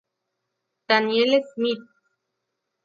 Daniel Schmidt